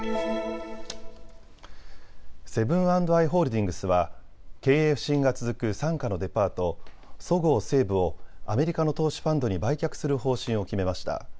セブン＆アイ・ホールディングスは経営不振が続く傘下のデパート、そごう・西武をアメリカの投資ファンドに売却する方針を決めました。